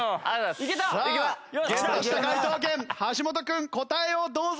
さあゲットした解答権橋本君答えをどうぞ！